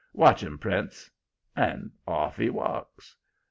Watch him, Prince.' And off he walks.